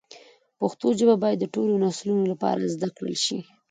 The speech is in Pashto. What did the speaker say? پښتو ژبه باید د ټولو نسلونو لپاره زده کړل شي.